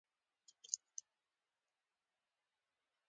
تور چایبر یې په نغري کې کېښود.